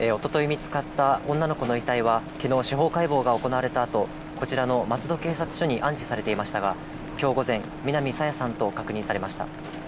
見つかった女の子の遺体は、きのう司法解剖が行われたあと、こちらの松戸警察署に安置されていましたが、きょう午前、南朝芽さんと確認されました。